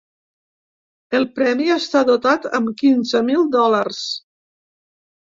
El premi està dotat amb quinze mil dòlars.